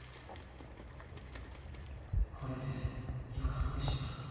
これでよかとでしょうか。